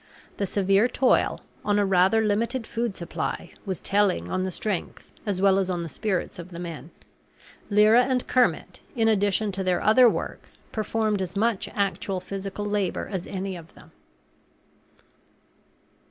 The severe toil, on a rather limited food supply, was telling on the strength as well as on the spirits of the men; Lyra and Kermit, in addition to their other work, performed as much actual physical labor as any of them.